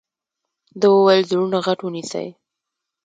ده وويل زړونه غټ ونيسئ.